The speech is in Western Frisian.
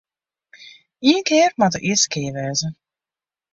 Ien kear moat de earste kear wêze.